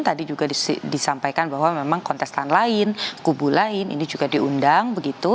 tadi juga disampaikan bahwa memang kontestan lain kubu lain ini juga diundang begitu